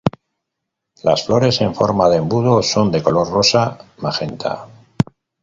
Las flores en forma de embudo son de color rosa magenta.